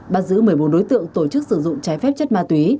bắt giữ một mươi bốn đối tượng tổ chức sử dụng trái phép chất ma túy